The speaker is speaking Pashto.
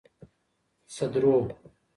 سدرو